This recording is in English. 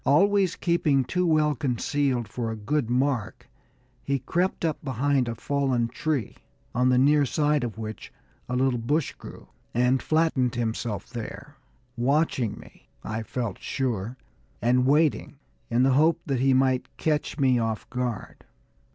Always keeping too well concealed for a good mark, he crept up behind a fallen tree, on the near side of which a little bush grew, and flattened himself there, watching me, I felt sure, and waiting, in the hope that he might catch me off my guard.